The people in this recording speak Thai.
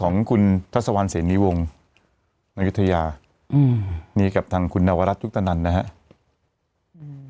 ซึ่งคุณทัศวัณศ์เสนียวงธรรมนักยุทธยานี่กับทางคุณนวรัฐยุตนันนะฮะ